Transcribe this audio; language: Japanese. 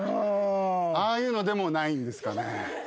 ああいうのでもないんですかね。